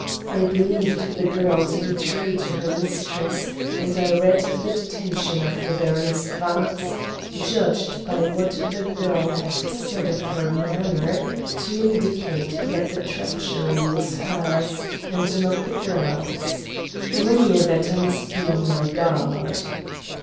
I believed the girl to be true to her mistress, and I read the detention of the Baroness Gratz, judged by what the girl had said of her manner, to indicate that the treachery was hers, and not the girl's. In any event I must be on my guard.